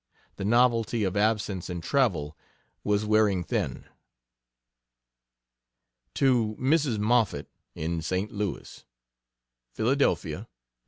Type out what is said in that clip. The novelty of absence and travel was wearing thin. To Mrs. Moffett, in St. Louis: PHILADELPHIA, Dec.